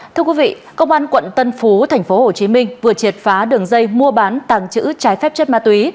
thưa quý vị công an quận tân phú tp hcm vừa triệt phá đường dây mua bán tàng trữ trái phép chất ma túy